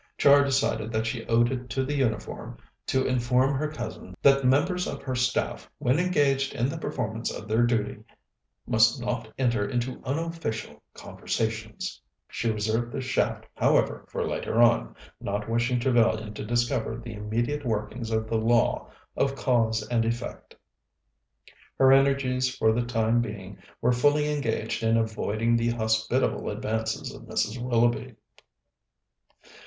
Char decided that she owed it to the uniform to inform her cousin that members of her staff, when engaged in the performance of their duty, must not enter into unofficial conversations. She reserved this shaft, however, for later on, not wishing Trevellyan to discover the immediate workings of the law of cause and effect. Her energies for the time being were fully engaged in avoiding the hospitable advances of Mrs. Willoughby.